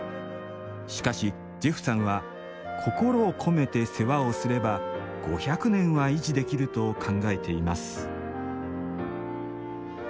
しかしジェフさんは心を込めて世話をすれば５００年は維持できると考えています。